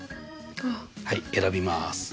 はい選びます。